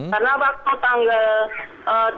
karena waktu tanggal